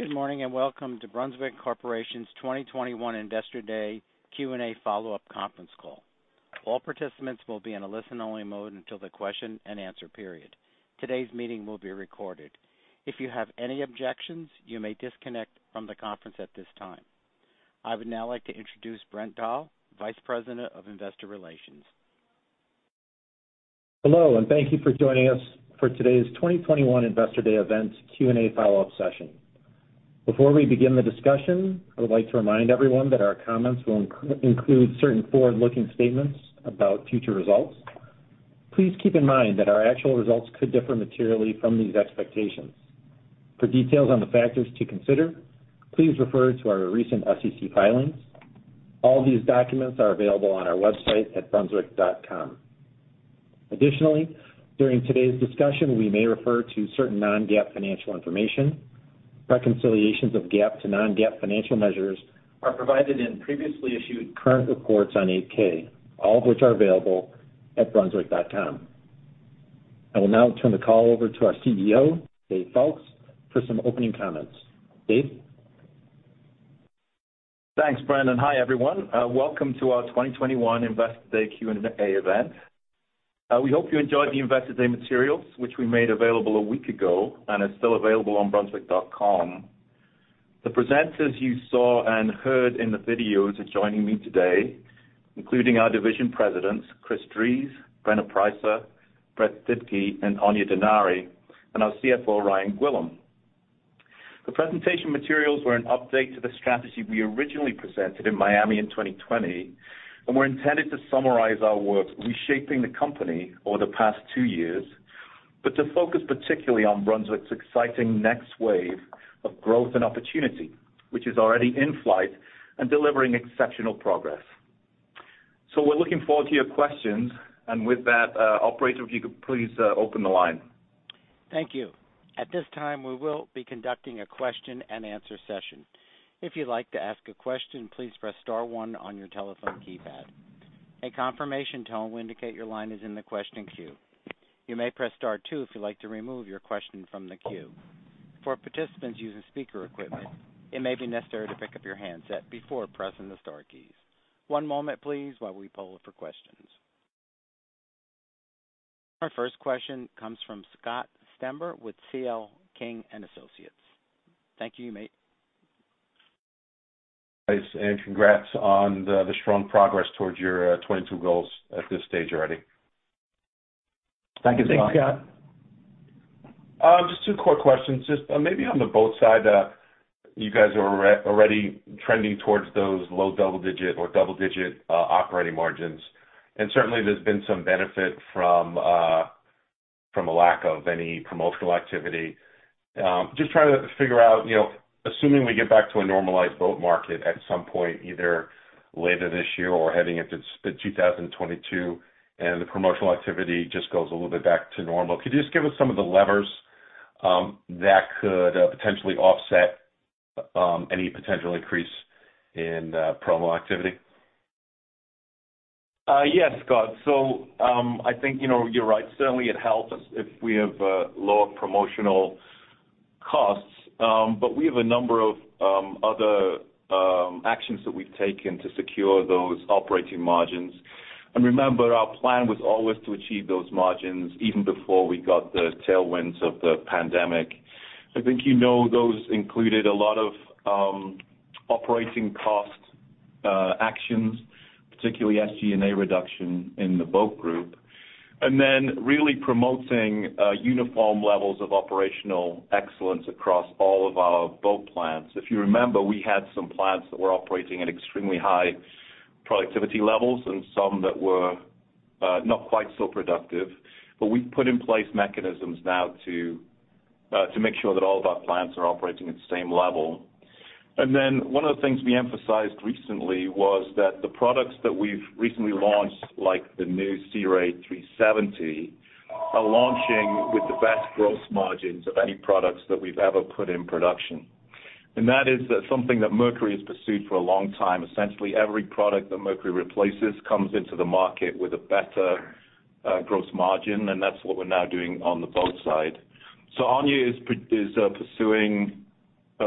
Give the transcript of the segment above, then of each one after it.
Good morning and welcome to Brunswick Corporation's 2021 Investor Day Q&A follow-up conference call. All participants will be in a listen-only mode until the question and answer period. Today's meeting will be recorded. If you have any objections, you may disconnect from the conference at this time. I would now like to introduce Brent Dahl, Vice President of Investor Relations. Hello, and thank you for joining us for today's 2021 Investor Day event Q&A follow-up session. Before we begin the discussion, I would like to remind everyone that our comments will include certain forward-looking statements about future results. Please keep in mind that our actual results could differ materially from these expectations. For details on the factors to consider, please refer to our recent SEC filings. All these documents are available on our website at brunswick.com. Additionally, during today's discussion, we may refer to certain non-GAAP financial information. Reconciliations of GAAP to non-GAAP financial measures are provided in previously issued current reports on 8-K, all of which are available at brunswick.com. I will now turn the call over to our CEO, Dave Foulkes, for some opening comments. Dave. Thanks, Brent. Hi, everyone. Welcome to our 2021 Investor Day Q&A event. We hope you enjoyed the Investor Day materials, which we made available a week ago and are still available on brunswick.com. The presenters you saw and heard in the videos are joining me today, including our division presidents, Chris Drees, Brenna Preisser, Brett Dibkey, and Aine Denari, and our CFO, Ryan Gwillim. The presentation materials were an update to the strategy we originally presented in Miami in 2020 and were intended to summarize our work reshaping the company over the past two years, but to focus particularly on Brunswick's exciting next wave of growth and opportunity, which is already in flight and delivering exceptional progress. So we're looking forward to your questions. And with that, Operator, if you could please open the line. Thank you. At this time, we will be conducting a question-and-answer session. If you'd like to ask a question, please press star one on your telephone keypad. A confirmation tone will indicate your line is in the question queue. You may press star two if you'd like to remove your question from the queue. For participants using speaker equipment, it may be necessary to pick up your handset before pressing the star keys. One moment, please, while we pull up for questions. Our first question comes from Scott Stember with CL King & Associates. Thank you, mate. Thanks, and congrats on the strong progress towards your 2022 goals at this stage already. Thank you, Scott. Thanks, Scott. Just two quick questions. Just maybe on the Boat sides, you guys are already trending towards those low double-digit or double-digit operating margins. And certainly, there's been some benefit from a lack of any promotional activity. Just trying to figure out, assuming we get back to a normalized boat market at some point, either later this year or heading into 2022, and the promotional activity just goes a little bit back to normal, could you just give us some of the levers that could potentially offset any potential increase in promo activity? Yes, Scott. So I think you're right. Certainly, it helps if we have lower promotional costs. But we have a number of other actions that we've taken to secure those operating margins. And remember, our plan was always to achieve those margins even before we got the tailwinds of the pandemic. I think you know those included a lot of operating cost actions, particularly SG&A reduction in the Boat Group, and then really promoting uniform levels of operational excellence across all of our boat plants. If you remember, we had some plants that were operating at extremely high productivity levels and some that were not quite so productive. But we've put in place mechanisms now to make sure that all of our plants are operating at the same level. And then one of the things we emphasized recently was that the products that we've recently launched, like the new Sea Ray 370, are launching with the best gross margins of any products that we've ever put in production. And that is something that Mercury has pursued for a long time. Essentially, every product that Mercury replaces comes into the market with a better gross margin, and that's what we're now doing on the Boat side. So Aine is pursuing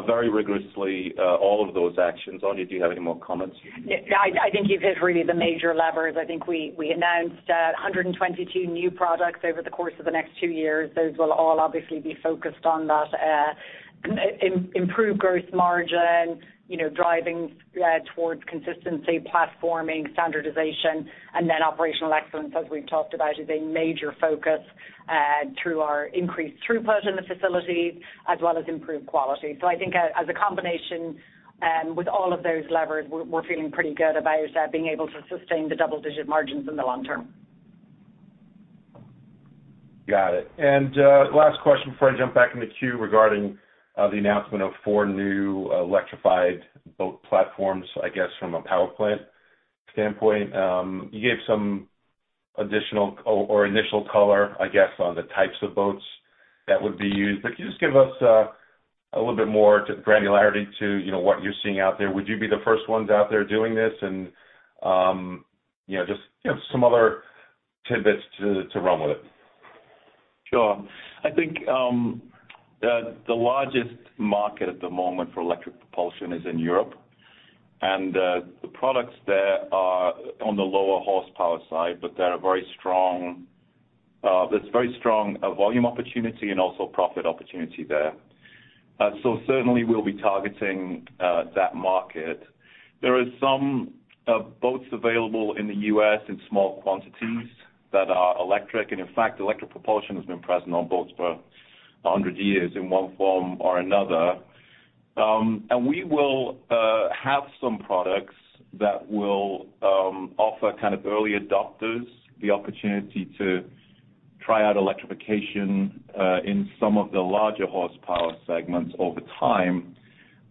very rigorously all of those actions. Aine, do you have any more comments? I think you've hit really the major levers. I think we announced 122 new products over the course of the next two years. Those will all obviously be focused on that improved gross margin, driving towards consistency, platforming, standardization, and then operational excellence, as we've talked about, is a major focus through our increased throughput in the facilities as well as improved quality. So I think as a combination with all of those levers, we're feeling pretty good about being able to sustain the double-digit margins in the long term. Got it. And last question before I jump back in the queue regarding the announcement of four new electrified boat platforms, I guess, from a power plant standpoint. You gave some additional or initial color, I guess, on the types of boats that would be used. But could you just give us a little bit more granularity to what you're seeing out there? Would you be the first ones out there doing this? And just some other tidbits to run with it. Sure. I think the largest market at the moment for electric propulsion is in Europe, and the products there are on the lower horsepower side, but there are very strong volume opportunity and also profit opportunity there, so certainly, we'll be targeting that market. There are some boats available in the U.S. in small quantities that are electric, and in fact, electric propulsion has been present on boats for 100 years in one form or another, and we will have some products that will offer kind of early adopters the opportunity to try out electrification in some of the larger horsepower segments over time,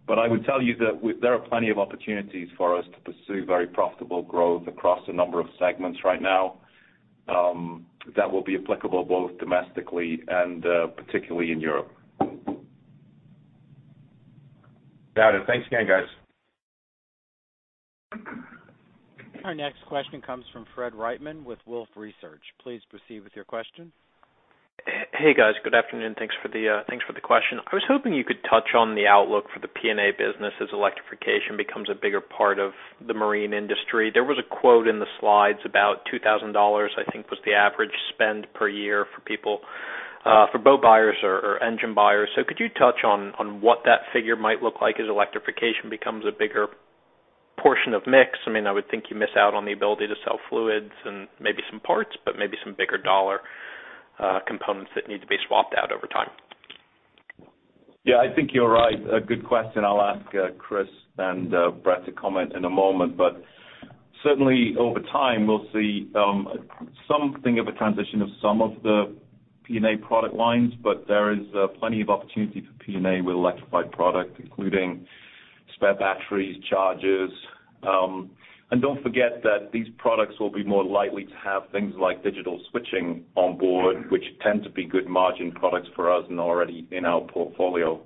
but I would tell you that there are plenty of opportunities for us to pursue very profitable growth across a number of segments right now that will be applicable both domestically and particularly in Europe. Got it. Thanks again, guys. Our next question comes from Fred Wightman with Wolfe Research. Please proceed with your question. Hey, guys. Good afternoon. Thanks for the question. I was hoping you could touch on the outlook for the P&A business as electrification becomes a bigger part of the marine industry. There was a quote in the slides about $2,000, I think, was the average spend per year for boat buyers or engine buyers. So could you touch on what that figure might look like as electrification becomes a bigger portion of mix? I mean, I would think you miss out on the ability to sell fluids and maybe some parts, but maybe some bigger dollar components that need to be swapped out over time. Yeah, I think you're right. A good question. I'll ask Chris and Brett to comment in a moment. But certainly, over time, we'll see something of a transition of some of the P&A product lines. But there is plenty of opportunity for P&A with electrified products, including spare batteries, chargers. And don't forget that these products will be more likely to have things like digital switching on board, which tend to be good margin products for us and already in our portfolio.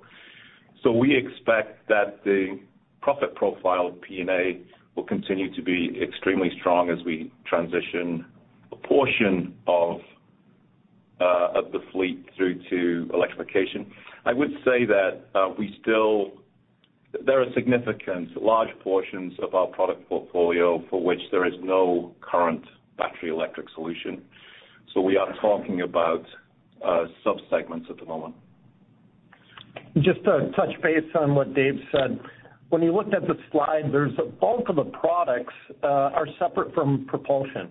So we expect that the profit profile of P&A will continue to be extremely strong as we transition a portion of the fleet through to electrification. I would say that there are significant large portions of our product portfolio for which there is no current battery electric solution. So we are talking about subsegments at the moment. Just to touch base on what Dave said, when you looked at the slide, there's a bulk of the products that are separate from propulsion.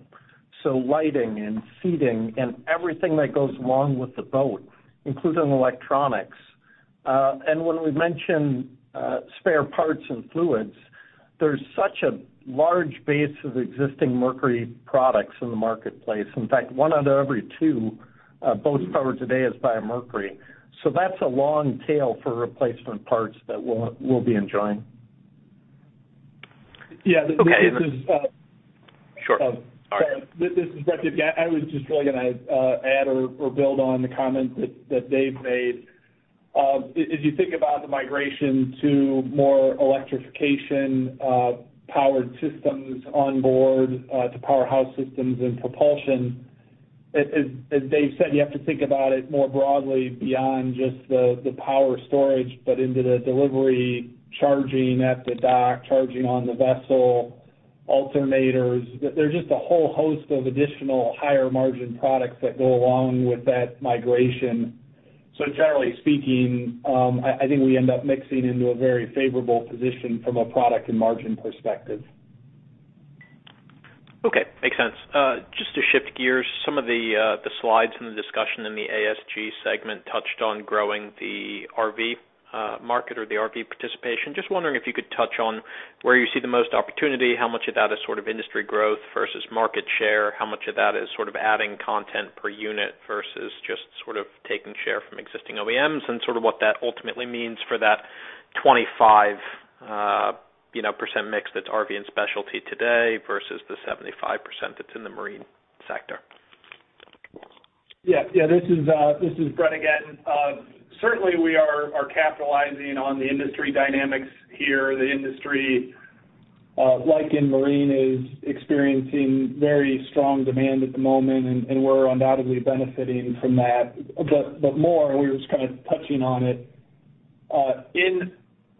So lighting and seating and everything that goes along with the boat, including electronics and when we mention spare parts and fluids, there's such a large base of existing Mercury products in the marketplace. In fact, one out of every two boats powered today is by a Mercury. So that's a long tail for replacement parts that we'll be enjoying. Yeah. This is. Okay. This is Brett Dibkey. I was just really going to add or build on the comment that Dave made. As you think about the migration to more electrification-powered systems on board to power house systems and propulsion, as Dave said, you have to think about it more broadly beyond just the power storage, but into the delivery, charging at the dock, charging on the vessel, alternators. There's just a whole host of additional higher-margin products that go along with that migration. So generally speaking, I think we end up mixing into a very favorable position from a product and margin perspective. Okay. Makes sense. Just to shift gears, some of the slides in the discussion in the ASG segment touched on growing the RV market or the RV participation. Just wondering if you could touch on where you see the most opportunity, how much of that is sort of industry growth versus market share, how much of that is sort of adding content per unit versus just sort of taking share from existing OEMs, and sort of what that ultimately means for that 25% mix that's RV and specialty today versus the 75% that's in the marine sector? Yeah. Yeah. This is Brett again. Certainly, we are capitalizing on the industry dynamics here. The industry, like in Marine, is experiencing very strong demand at the moment, and we're undoubtedly benefiting from that. But more, we were just kind of touching on it. In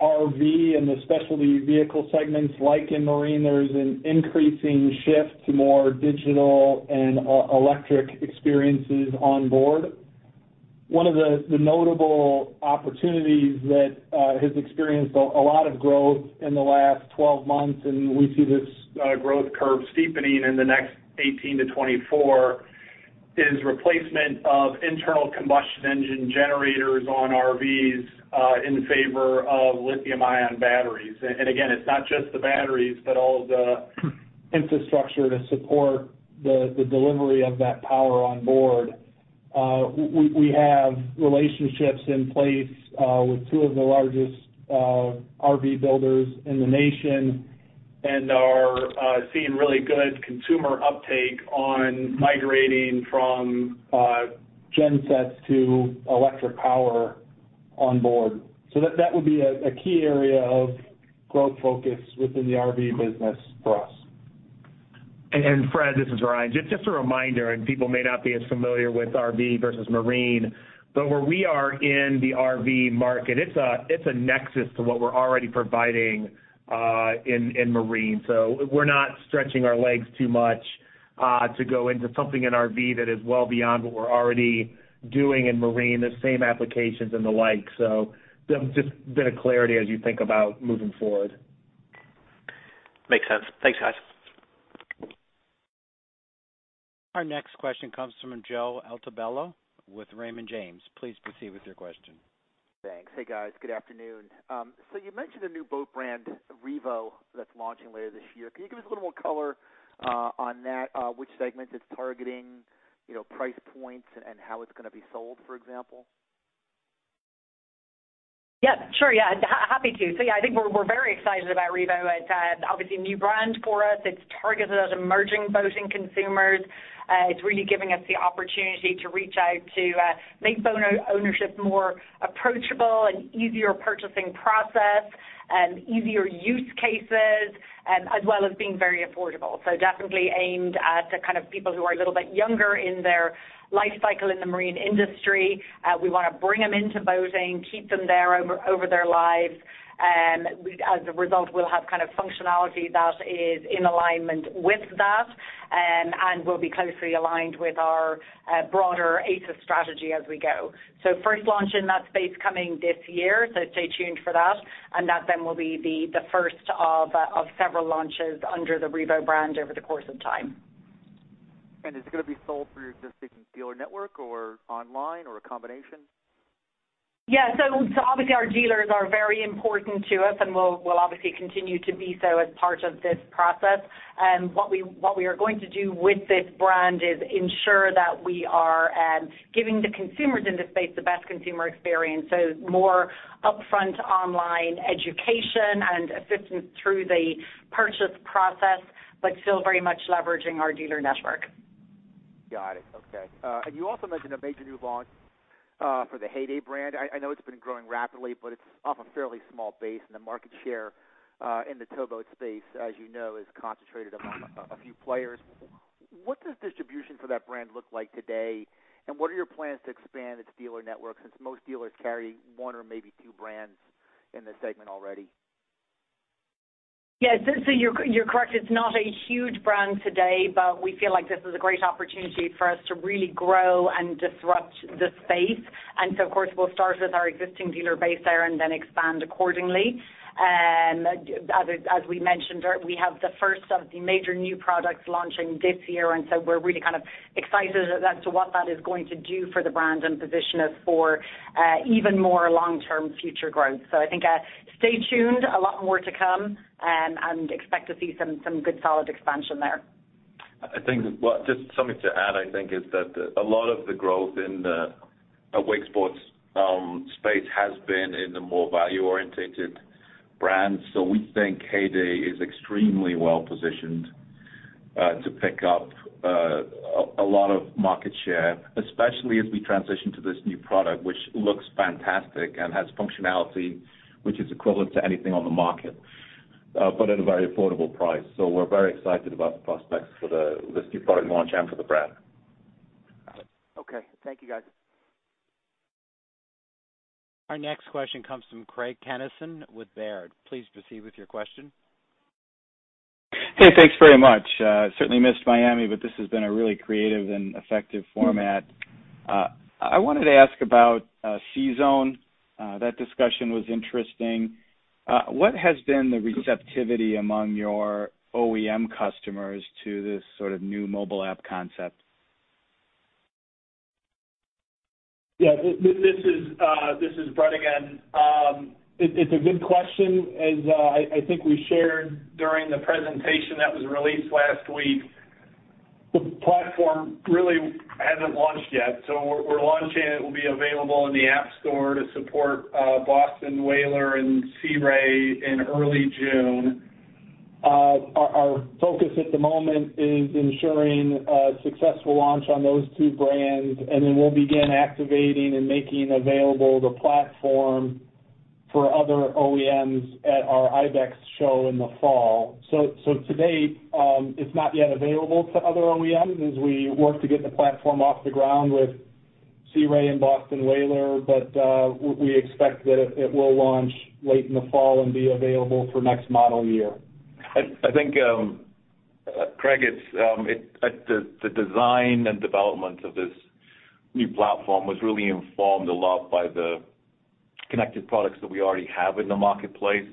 RV and the specialty vehicle segments, like in marine, there is an increasing shift to more digital and electric experiences on board. One of the notable opportunities that has experienced a lot of growth in the last 12 months, and we see this growth curve steepening in the next 18-24, is replacement of internal combustion engine generators on RVs in favor of lithium-ion batteries. And again, it's not just the batteries, but all of the infrastructure to support the delivery of that power on board. We have relationships in place with two of the largest RV builders in the nation and are seeing really good consumer uptake on migrating from gensets to electric power on board, so that would be a key area of growth focus within the RV business for us. Fred, this is Ryan. Just a reminder, and people may not be as familiar with RV versus marine, but where we are in the RV market, it's a nexus to what we're already providing in marine. We're not stretching our legs too much to go into something in RV that is well beyond what we're already doing in Marine, the same applications and the like. Just a bit of clarity as you think about moving forward. Makes sense. Thanks, guys. Our next question comes from Joe Altobello with Raymond James. Please proceed with your question. Thanks. Hey, guys. Good afternoon. So you mentioned a new boat brand, Revo, that's launching later this year. Can you give us a little more color on that, which segments it's targeting, price points, and how it's going to be sold, for example? Yep. Sure. Yeah. Happy to. So, yeah, I think we're very excited about Revo. It's obviously a new brand for us. It's targeted at emerging boating consumers. It's really giving us the opportunity to reach out to make boat ownership more approachable, an easier purchasing process, and easier use cases, as well as being very affordable. So definitely aimed at kind of people who are a little bit younger in their life cycle in the marine industry. We want to bring them into boating, keep them there over their lives. As a result, we'll have kind of functionality that is in alignment with that, and we'll be closely aligned with our broader ACES strategy as we go. So first launch in that space coming this year. So stay tuned for that. And that then will be the first of several launches under the Revo brand over the course of time. Is it going to be sold through just a dealer network or online or a combination? Yeah. So obviously, our dealers are very important to us, and we'll obviously continue to be so as part of this process. And what we are going to do with this brand is ensure that we are giving the consumers in this space the best consumer experience. So more upfront online education and assistance through the purchase process, but still very much leveraging our dealer network. Got it. Okay. And you also mentioned a major new launch for the Heyday brand. I know it's been growing rapidly, but it's off a fairly small base, and the market share in the towboat space, as you know, is concentrated among a few players. What does distribution for that brand look like today, and what are your plans to expand its dealer network since most dealers carry one or maybe two brands in the segment already? Yes. So you're correct. It's not a huge brand today, but we feel like this is a great opportunity for us to really grow and disrupt the space. And so, of course, we'll start with our existing dealer base there and then expand accordingly. As we mentioned, we have the first of the major new products launching this year, and so we're really kind of excited as to what that is going to do for the brand and position us for even more long-term future growth. So I think stay tuned. A lot more to come and expect to see some good solid expansion there. I think, well, just something to add, I think, is that a lot of the growth in the wakesports space has been in the more value-oriented brands. So we think Heyday is extremely well positioned to pick up a lot of market share, especially as we transition to this new product, which looks fantastic and has functionality which is equivalent to anything on the market, but at a very affordable price. So we're very excited about the prospects for this new product launch and for the brand. Got it. Okay. Thank you, guys. Our next question comes from Craig Kennison with Baird. Please proceed with your question. Hey, thanks very much. Certainly missed Miami, but this has been a really creative and effective format. I wanted to ask about CZone. That discussion was interesting. What has been the receptivity among your OEM customers to this sort of new mobile app concept? Yeah. This is Brett again. It's a good question. As I think we shared during the presentation that was released last week, the platform really hasn't launched yet. So we're launching it. It will be available in the app store to support Boston Whaler and Sea Ray in early June. Our focus at the moment is ensuring a successful launch on those two brands, and then we'll begin activating and making available the platform for other OEMs at our IBEX Show in the fall. So today, it's not yet available to other OEMs as we work to get the platform off the ground with Sea Ray and Boston Whaler, but we expect that it will launch late in the fall and be available for next model year. I think, Craig, the design and development of this new platform was really informed a lot by the connected products that we already have in the marketplace.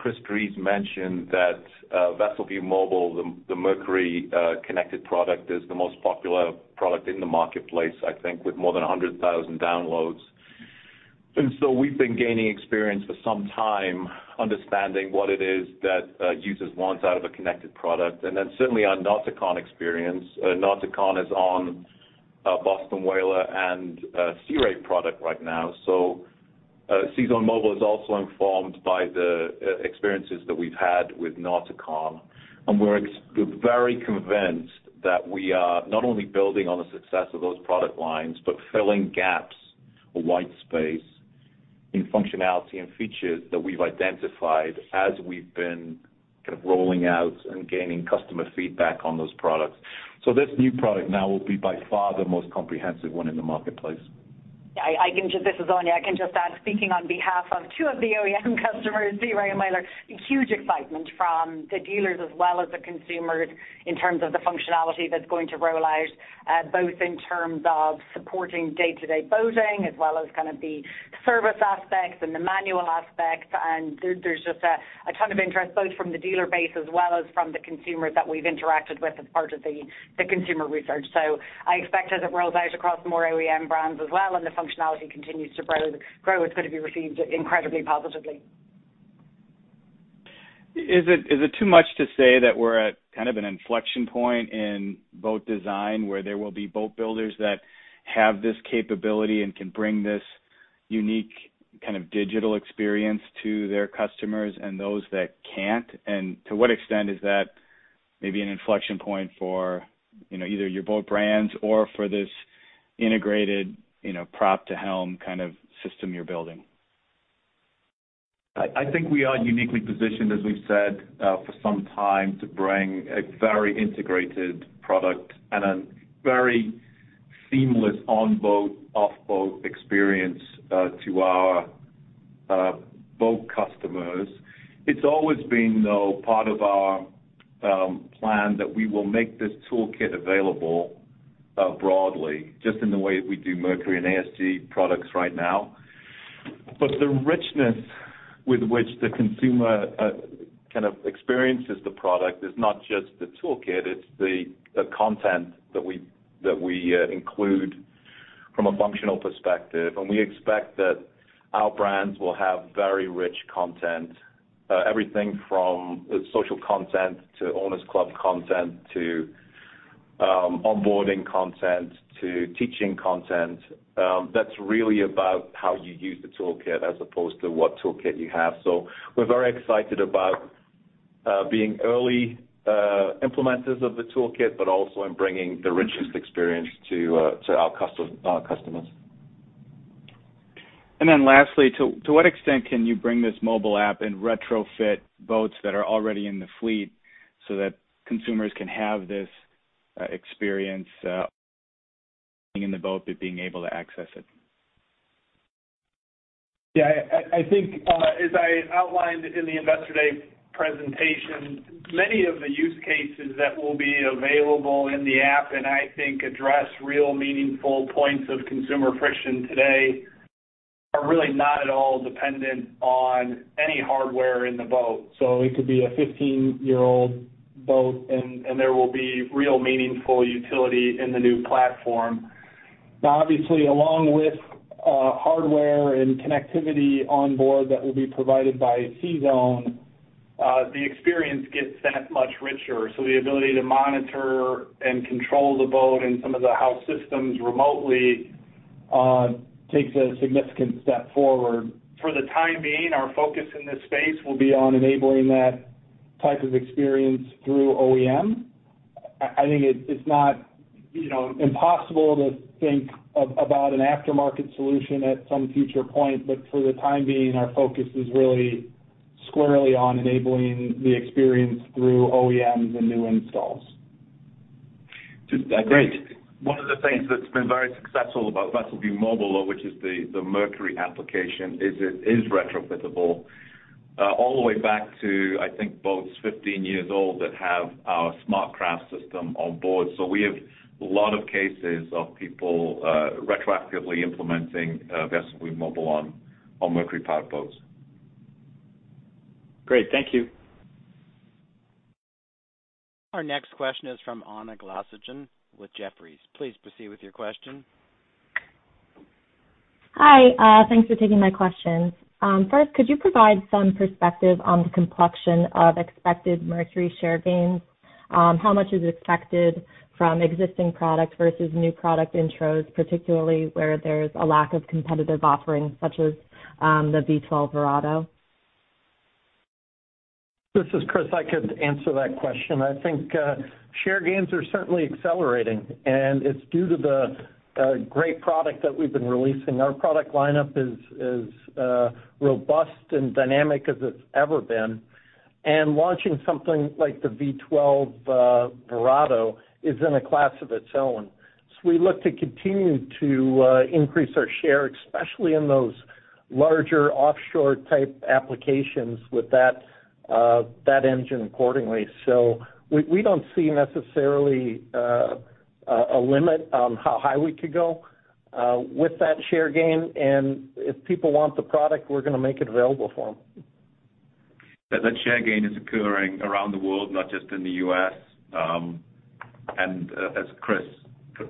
Chris Drees mentioned that VesselView Mobile, the Mercury connected product, is the most popular product in the marketplace, I think, with more than 100,000 downloads. We've been gaining experience for some time understanding what it is that users want out of a connected product, then certainly our NAUTIC-ON experience. NAUTIC-ON is on Boston Whaler and Sea Ray product right now. CZone Mobile is also informed by the experiences that we've had with NAUTIC-ON. We're very convinced that we are not only building on the success of those product lines, but filling gaps or white space in functionality and features that we've identified as we've been kind of rolling out and gaining customer feedback on those products. This new product now will be by far the most comprehensive one in the marketplace. Yeah. This is Aine. I can just add, speaking on behalf of two of the OEM customers, Sea Ray and Bayliner, huge excitement from the dealers as well as the consumers in terms of the functionality that's going to roll out, both in terms of supporting day-to-day boating as well as kind of the service aspects and the manual aspects, and there's just a ton of interest both from the dealer base as well as from the consumers that we've interacted with as part of the consumer research, so I expect as it rolls out across more OEM brands as well and the functionality continues to grow, it's going to be received incredibly positively. Is it too much to say that we're at kind of an inflection point in boat design where there will be boat builders that have this capability and can bring this unique kind of digital experience to their customers and those that can't? And to what extent is that maybe an inflection point for either your boat brands or for this integrated prop to helm kind of system you're building? I think we are uniquely positioned, as we've said, for some time to bring a very integrated product and a very seamless on-boat, off-boat experience to our boat customers. It's always been part of our plan that we will make this toolkit available broadly, just in the way that we do Mercury and ASG products right now. But the richness with which the consumer kind of experiences the product is not just the toolkit. It's the content that we include from a functional perspective. And we expect that our brands will have very rich content, everything from social content to owners' club content to onboarding content to teaching content. That's really about how you use the toolkit as opposed to what toolkit you have. So we're very excited about being early implementers of the toolkit, but also in bringing the richest experience to our customers. And then lastly, to what extent can you bring this mobile app and retrofit boats that are already in the fleet so that consumers can have this experience in the boat, but being able to access it? Yeah. I think, as I outlined in the investor day presentation, many of the use cases that will be available in the app and I think address real meaningful points of consumer friction today are really not at all dependent on any hardware in the boat. So it could be a 15-year-old boat, and there will be real meaningful utility in the new platform. Now, obviously, along with hardware and connectivity on board that will be provided by CZone, the experience gets that much richer. So the ability to monitor and control the boat and some of the house systems remotely takes a significant step forward. For the time being, our focus in this space will be on enabling that type of experience through OEM. I think it's not impossible to think about an aftermarket solution at some future point, but for the time being, our focus is really squarely on enabling the experience through OEMs and new installs. Great. One of the things that's been very successful about VesselView Mobile, which is the Mercury application, is it is retrofittable all the way back to, I think, boats 15 years old that have our SmartCraft system on board. So we have a lot of cases of people retroactively implementing VesselView Mobile on Mercury powered boats. Great. Thank you. Our next question is from Anna Glaessgen with Jefferies. Please proceed with your question. Hi. Thanks for taking my questions. First, could you provide some perspective on the complexion of expected Mercury share gains? How much is expected from existing products versus new product intros, particularly where there's a lack of competitive offering such as the V12 Verado? This is Chris. I could answer that question. I think share gains are certainly accelerating, and it's due to the great product that we've been releasing. Our product lineup is robust and dynamic as it's ever been. And launching something like the V12 Verado is in a class of its own. So we look to continue to increase our share, especially in those larger offshore-type applications with that engine accordingly. So we don't see necessarily a limit on how high we could go with that share gain. And if people want the product, we're going to make it available for them. That share gain is occurring around the world, not just in the U.S. And as Chris,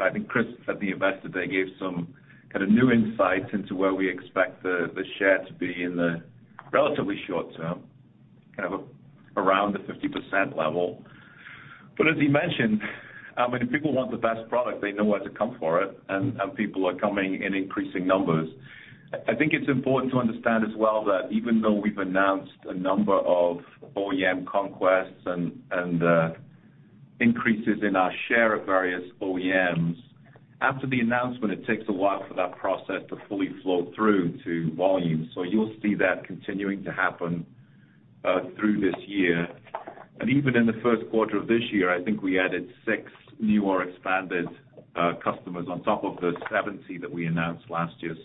I think Chris at the Investor Day gave some kind of new insights into where we expect the share to be in the relatively short term, kind of around the 50% level. But as he mentioned, when people want the best product, they know where to come for it, and people are coming in increasing numbers. I think it's important to understand as well that even though we've announced a number of OEM conquests and increases in our share of various OEMs, after the announcement, it takes a while for that process to fully flow through to volume. So you'll see that continuing to happen through this year. Even in the first quarter of this year, I think we added six new or expanded customers on top of the 70 that we announced last year.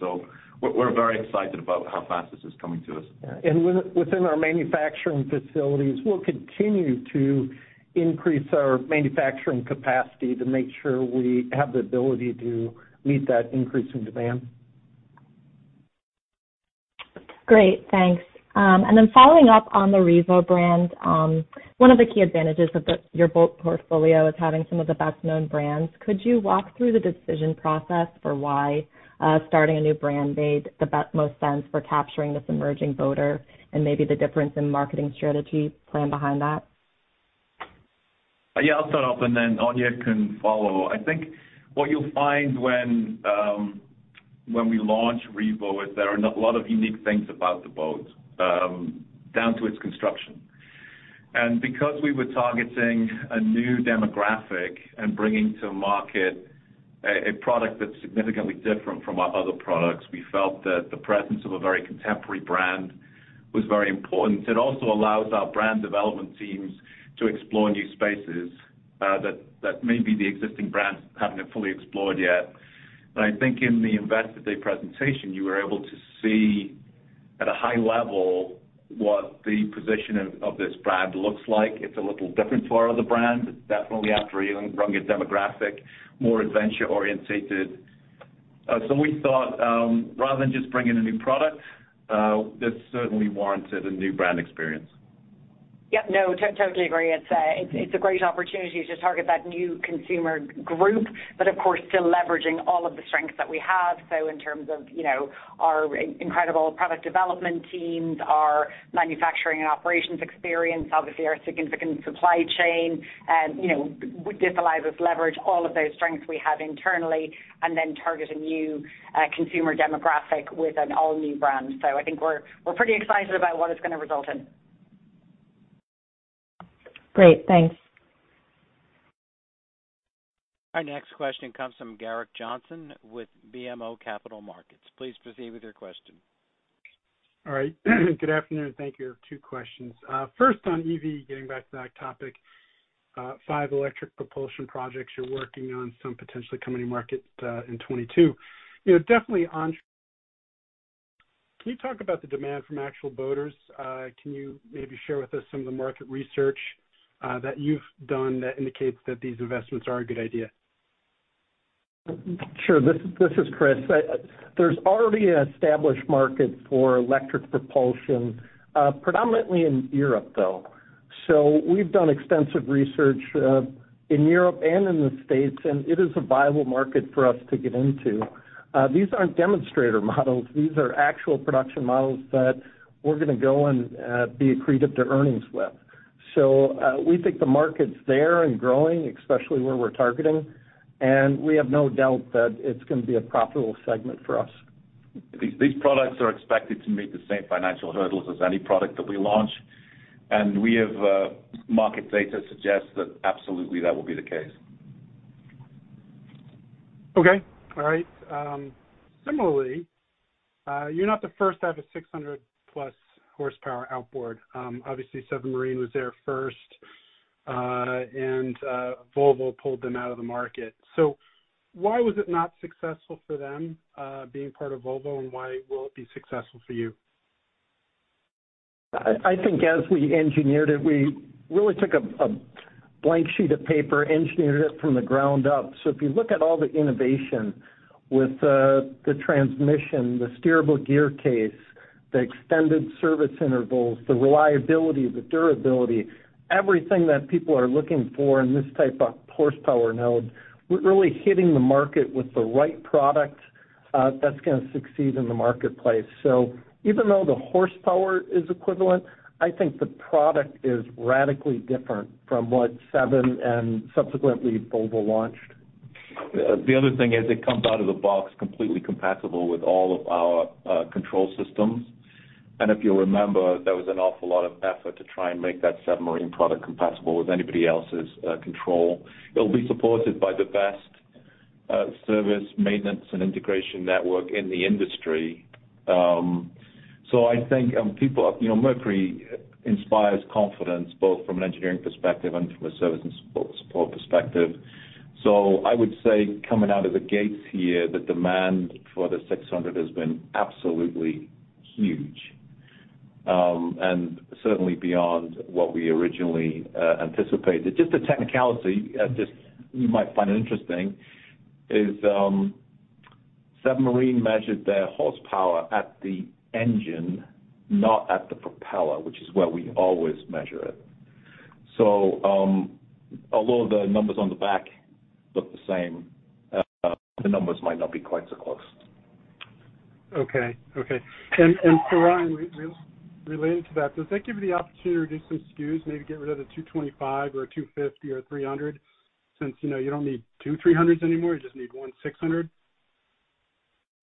We're very excited about how fast this is coming to us. Within our manufacturing facilities, we'll continue to increase our manufacturing capacity to make sure we have the ability to meet that increase in demand. Great. Thanks. And then following up on the Revo brand, one of the key advantages of your boat portfolio is having some of the best-known brands. Could you walk through the decision process for why starting a new brand made the most sense for capturing this emerging boater and maybe the difference in marketing strategy planned behind that? Yeah. I'll start off, and then Aine can follow. I think what you'll find when we launch Revo is there are a lot of unique things about the boat down to its construction. And because we were targeting a new demographic and bringing to market a product that's significantly different from our other products, we felt that the presence of a very contemporary brand was very important. It also allows our brand development teams to explore new spaces that maybe the existing brands haven't fully explored yet. And I think in the investor day presentation, you were able to see at a high level what the position of this brand looks like. It's a little different from our other brand. It's definitely after a younger demographic, more adventure-oriented. So we thought, rather than just bringing a new product, this certainly warranted a new brand experience. Yep. No, totally agree. It's a great opportunity to target that new consumer group, but of course, still leveraging all of the strengths that we have. So in terms of our incredible product development teams, our manufacturing and operations experience, obviously our significant supply chain, this allows us to leverage all of those strengths we have internally and then target a new consumer demographic with an all-new brand. So I think we're pretty excited about what it's going to result in. Great. Thanks. Our next question comes from Gerrick Johnson with BMO Capital Markets. Please proceed with your question. All right. Good afternoon. Thank you. I have two questions. First, on EV, getting back to that topic, five electric propulsion projects you're working on, some potentially coming to market in 2022. Definitely on. Can you talk about the demand from actual boaters? Can you maybe share with us some of the market research that you've done that indicates that these investments are a good idea? Sure. This is Chris. There's already an established market for electric propulsion, predominantly in Europe, though. So we've done extensive research in Europe and in the States, and it is a viable market for us to get into. These aren't demonstrator models. These are actual production models that we're going to go and be accretive to earnings with. So we think the market's there and growing, especially where we're targeting. And we have no doubt that it's going to be a profitable segment for us. These products are expected to meet the same financial hurdles as any product that we launch, and we have market data suggests that absolutely that will be the case. Okay. All right. Similarly, you're not the first to have a 600+ horsepower outboard. Obviously, Seven Marine was there first, and Volvo pulled them out of the market. So why was it not successful for them being part of Volvo, and why will it be successful for you? I think as we engineered it, we really took a blank sheet of paper, engineered it from the ground up. So if you look at all the innovation with the transmission, the steerable gear case, the extended service intervals, the reliability, the durability, everything that people are looking for in this type of horsepower node, we're really hitting the market with the right product that's going to succeed in the marketplace, so even though the horsepower is equivalent, I think the product is radically different from what Seven and subsequently Volvo launched. The other thing is it comes out of the box completely compatible with all of our control systems, and if you'll remember, there was an awful lot of effort to try and make that Seven Marine product compatible with anybody else's control. It'll be supported by the best service maintenance and integration network in the industry, so I think Mercury inspires confidence both from an engineering perspective and from a service and support perspective. So I would say coming out of the gates here, the demand for the 600 has been absolutely huge and certainly beyond what we originally anticipated. Just a technicality you might find interesting is Seven Marine measured their horsepower at the engine, not at the propeller, which is where we always measure it, so although the numbers on the back look the same, the numbers might not be quite so close. And for Ryan, related to that, does that give you the opportunity to do some SKUs, maybe get rid of the 225 or 250 or 300 since you don't need two 300s anymore? You just need one 600?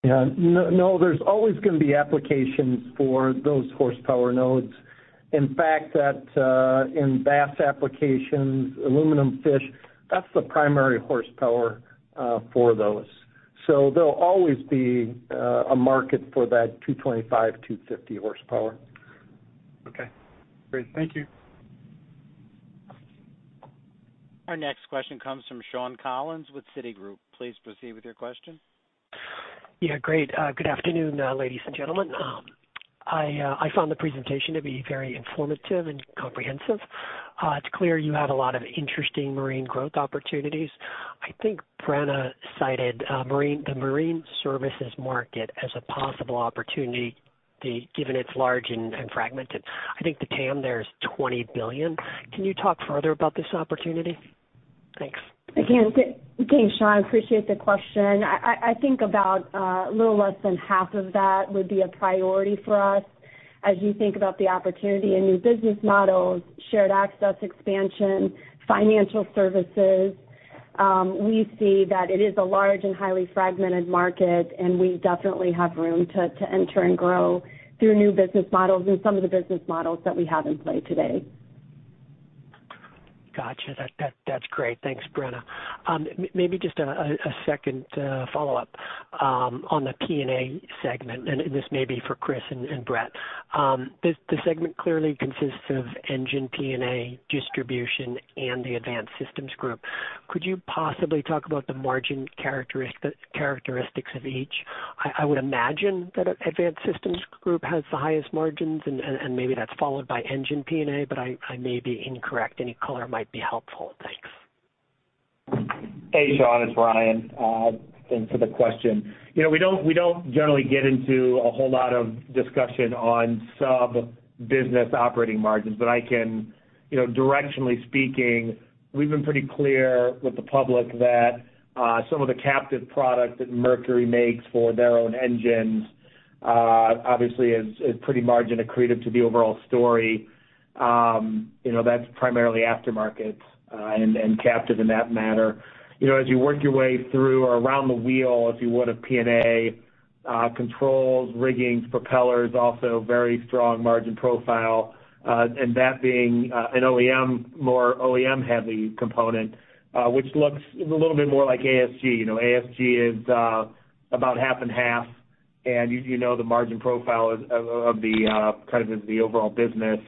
Yeah. No, there's always going to be applications for those horsepower nodes. In fact, in bass applications, aluminum fish, that's the primary horsepower for those. So there'll always be a market for that 225, 250 horsepower. Okay. Great. Thank you. Our next question comes from Shawn Collins with Citigroup. Please proceed with your question. Yeah. Great. Good afternoon, ladies and gentlemen. I found the presentation to be very informative and comprehensive. It's clear you have a lot of interesting marine growth opportunities. I think Brenna cited the marine services market as a possible opportunity given its large and fragmented. I think the TAM there is $20 billion. Can you talk further about this opportunity? Thanks. Again, thanks, Sean. I appreciate the question. I think about a little less than half of that would be a priority for us. As you think about the opportunity in new business models, shared access, expansion, financial services, we see that it is a large and highly fragmented market, and we definitely have room to enter and grow through new business models and some of the business models that we have in play today. Gotcha. That's great. Thanks, Brenna. Maybe just a second follow-up on the P&A segment, and this may be for Chris and Brett. The segment clearly consists of engine P&A, distribution, and the advanced systems group. Could you possibly talk about the margin characteristics of each? I would imagine that advanced systems group has the highest margins, and maybe that's followed by engine P&A, but I may be incorrect. Any color might be helpful. Thanks. Hey, Shawn. It's Ryan. Thanks for the question. We don't generally get into a whole lot of discussion on sub-business operating margins, but I can directionally speaking, we've been pretty clear with the public that some of the captive product that Mercury makes for their own engines obviously is pretty margin accretive to the overall story. That's primarily aftermarket and captive in that matter. As you work your way through or around the wheel, if you would, of P&A, controls, rigging, propellers, also very strong margin profile, and that being an OEM, more OEM-heavy component, which looks a little bit more like ASG. ASG is about half and half, and you know the margin profile of kind of the overall business.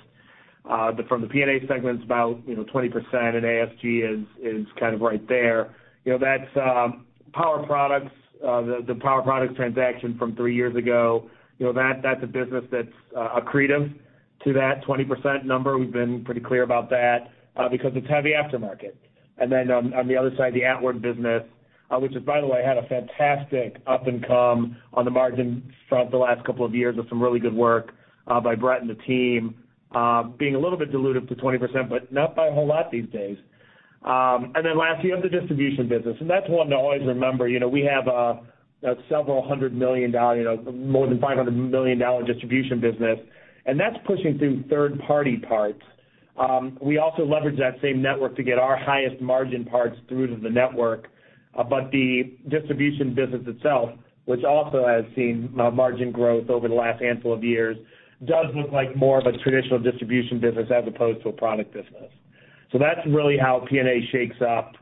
From the P&A segment, it's about 20%, and ASG is kind of right there. That's Power Products, the Power Products transaction from three years ago. That's a business that's accretive to that 20% number. We've been pretty clear about that because it's heavy aftermarket. And then on the other side, the Attwood business, which has, by the way, had a fantastic up-and-coming on the margin front the last couple of years with some really good work by Brett and the team, being a little bit dilutive to 20%, but not by a whole lot these days. And then lastly, you have the distribution business. And that's one to always remember. We have a several hundred million dollars, more than $500 million distribution business, and that's pushing through third-party parts. We also leverage that same network to get our highest margin parts through to the network. But the distribution business itself, which also has seen margin growth over the last handful of years, does look like more of a traditional distribution business as opposed to a product business. So that's really how P&A shakes up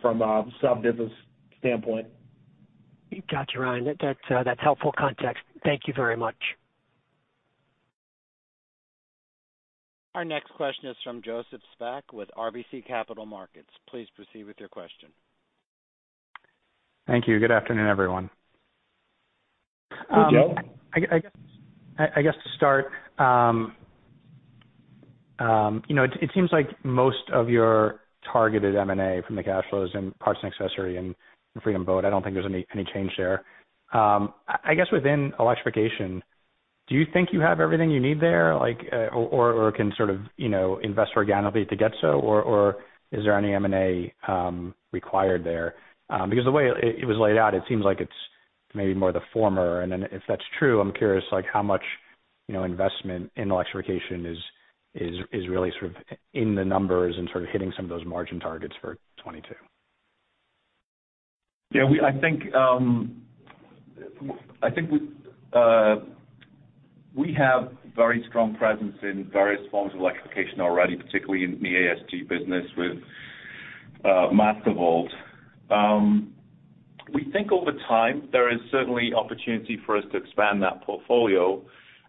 from a sub-business standpoint. Gotcha, Ryan. That's helpful context. Thank you very much. Our next question is from Joseph Spak with RBC Capital Markets. Please proceed with your question. Thank you. Good afternoon, everyone. Hey, Joe. I guess to start, it seems like most of your targeted M&A from the cash flows and parts and accessory and Freedom Boat Club. I don't think there's any change there. I guess within electrification, do you think you have everything you need there or can sort of invest organically to get so, or is there any M&A required there? Because the way it was laid out, it seems like it's maybe more the former. And then if that's true, I'm curious how much investment in electrification is really sort of in the numbers and sort of hitting some of those margin targets for 2022. Yeah. I think we have very strong presence in various forms of electrification already, particularly in the ASG business with Mastervolt. We think over time, there is certainly opportunity for us to expand that portfolio,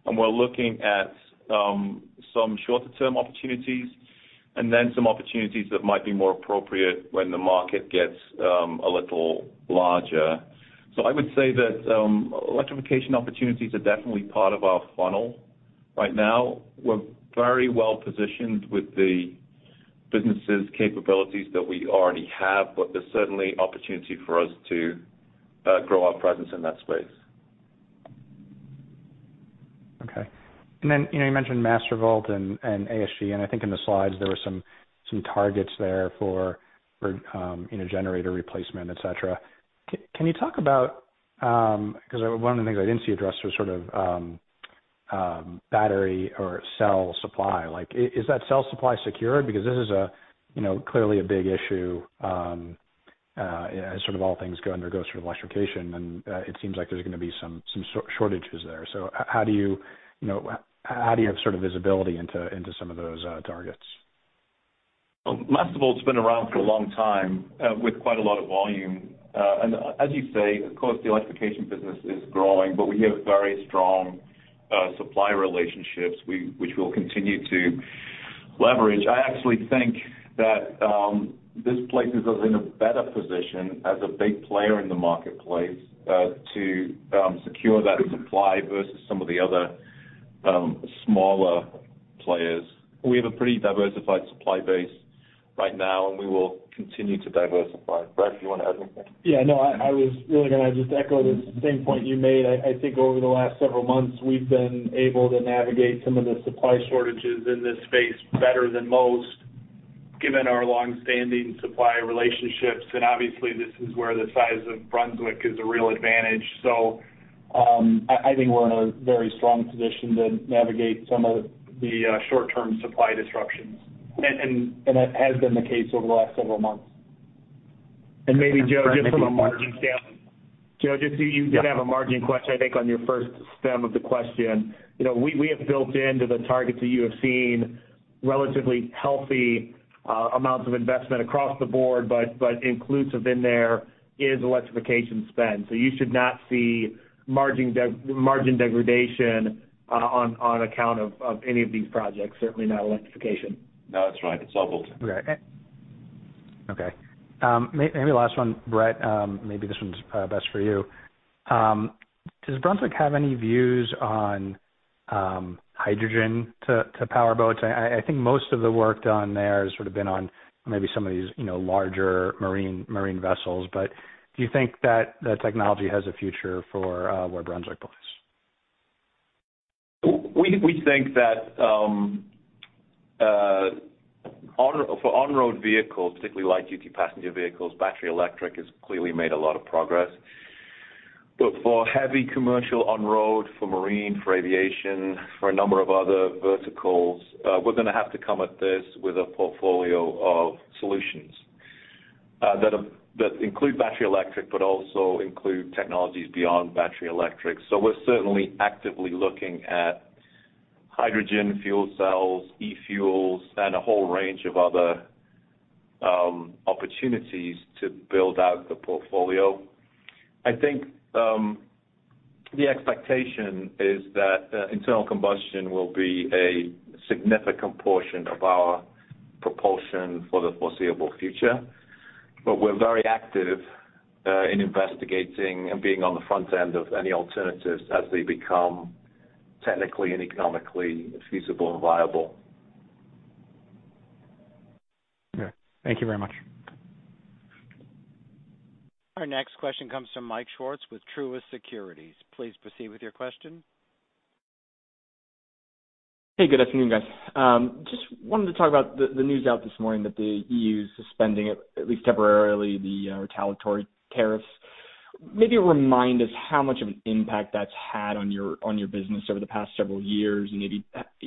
and we're looking at some shorter-term opportunities and then some opportunities that might be more appropriate when the market gets a little larger. So I would say that electrification opportunities are definitely part of our funnel right now. We're very well positioned with the business's capabilities that we already have, but there's certainly opportunity for us to grow our presence in that space. Okay. And then you mentioned Mastervolt and ASG, and I think in the slides, there were some targets there for generator replacement, etc. Can you talk about because one of the things I didn't see addressed was sort of battery or cell supply. Is that cell supply secured? Because this is clearly a big issue as sort of all things undergo sort of electrification, and it seems like there's going to be some shortages there. So how do you have sort of visibility into some of those targets? Mastervolt's been around for a long time with quite a lot of volume. And as you say, of course, the electrification business is growing, but we have very strong supply relationships, which we'll continue to leverage. I actually think that this places us in a better position as a big player in the marketplace to secure that supply versus some of the other smaller players. We have a pretty diversified supply base right now, and we will continue to diversify. Brett, do you want to add anything? Yeah. No, I was really going to just echo the same point you made. I think over the last several months, we've been able to navigate some of the supply shortages in this space better than most, given our long-standing supply relationships. And obviously, this is where the size of Brunswick is a real advantage. So I think we're in a very strong position to navigate some of the short-term supply disruptions. And that has been the case over the last several months. Maybe, Joe, just from a margin standpoint. Joe, just you did have a margin question, I think, on your first stem of the question. We have built into the targets that you have seen relatively healthy amounts of investment across the board, but inclusive in there is electrification spend. You should not see margin degradation on account of any of these projects, certainly not electrification. No, that's right. It's all built in. Okay. Maybe last one, Brett. Maybe this one's best for you. Does Brunswick have any views on hydrogen to power boats? I think most of the work done there has sort of been on maybe some of these larger marine vessels. But do you think that the technology has a future for where Brunswick plays? We think that for on-road vehicles, particularly light-duty passenger vehicles, battery electric has clearly made a lot of progress. But for heavy commercial on-road, for marine, for aviation, for a number of other verticals, we're going to have to come at this with a portfolio of solutions that include battery electric, but also include technologies beyond battery electric. So we're certainly actively looking at hydrogen, fuel cells, e-fuels, and a whole range of other opportunities to build out the portfolio. I think the expectation is that internal combustion will be a significant portion of our propulsion for the foreseeable future. But we're very active in investigating and being on the front end of any alternatives as they become technically and economically feasible and viable. Okay. Thank you very much. Our next question comes from Michael Swartz with Truist Securities. Please proceed with your question. Hey, good afternoon, guys. Just wanted to talk about the news out this morning that the EU is suspending, at least temporarily, the retaliatory tariffs. Maybe remind us how much of an impact that's had on your business over the past several years, and maybe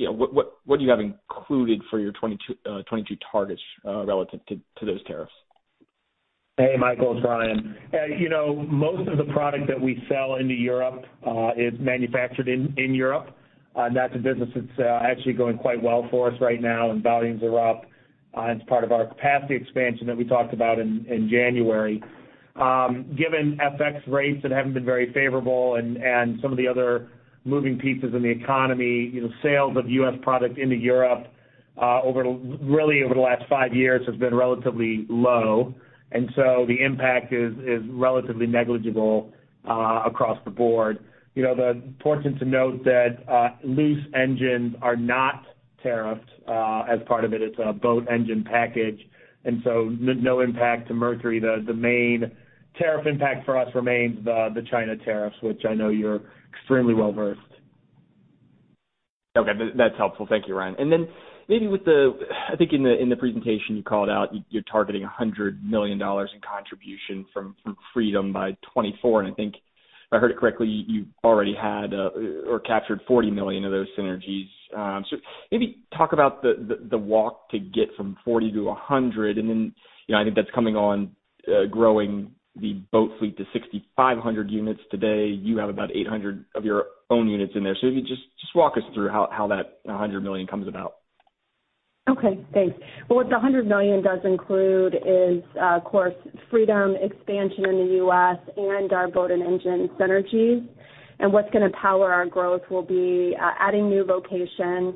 what you have included for your 2022 targets relative to those tariffs? Hey, Michael. It's Ryan. Most of the product that we sell into Europe is manufactured in Europe, and that's a business that's actually going quite well for us right now, and volumes are up. It's part of our capacity expansion that we talked about in January. Given FX rates that haven't been very favorable and some of the other moving pieces in the economy, sales of U.S. product into Europe really over the last five years have been relatively low, and so the impact is relatively negligible across the board. It's important to note that loose engines are not tariffed as part of it. It's a boat engine package, and so no impact to Mercury. The main tariff impact for us remains the China tariffs, which I know you're extremely well-versed. Okay. That's helpful. Thank you, Ryan. And then maybe with the, I think, in the presentation, you called out you're targeting $100 million in contribution from Freedom by 2024. And I think, if I heard it correctly, you already had or captured $40 million of those synergies. So maybe talk about the walk to get from 40-100. And then I think that's coming on growing the boat fleet to 6,500 units today. You have about 800 of your own units in there. So maybe just walk us through how that $100 million comes about. Okay. Thanks. What the $100 million does include is, of course, Freedom expansion in the U.S. and our boat and engine synergies. What is going to power our growth will be adding new locations,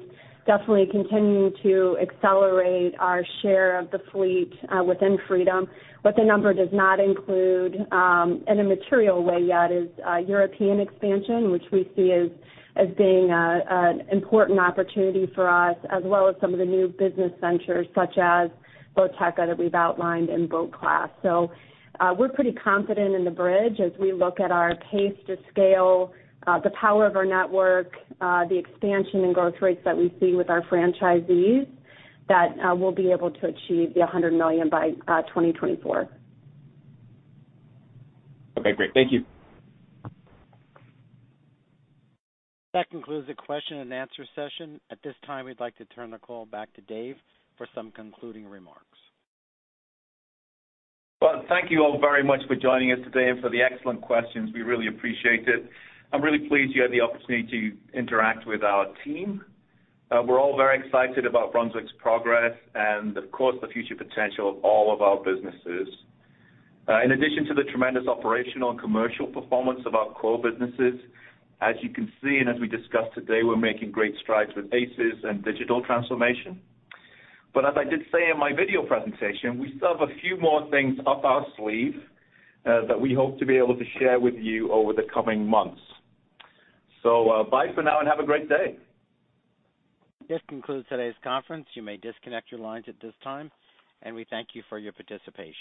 definitely continuing to accelerate our share of the fleet within Freedom. The number does not include, in a material way yet, European expansion, which we see as being an important opportunity for us, as well as some of the new business ventures such as Boateka that we've outlined in BoatClass. We are pretty confident in the bridge as we look at our pace to scale, the power of our network, the expansion and growth rates that we see with our franchisees that we will be able to achieve the $100 million by 2024. Okay. Great. Thank you. That concludes the question and answer session. At this time, we'd like to turn the call back to Dave for some concluding remarks. Thank you all very much for joining us today and for the excellent questions. We really appreciate it. I'm really pleased you had the opportunity to interact with our team. We're all very excited about Brunswick's progress and, of course, the future potential of all of our businesses. In addition to the tremendous operational and commercial performance of our core businesses, as you can see and as we discussed today, we're making great strides with ACES and digital transformation. But as I did say in my video presentation, we still have a few more things up our sleeve that we hope to be able to share with you over the coming months. Bye for now and have a great day. This concludes today's conference. You may disconnect your lines at this time, and we thank you for your participation.